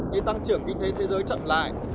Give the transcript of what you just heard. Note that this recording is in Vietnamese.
khi tăng trưởng kinh tế thế giới chậm lại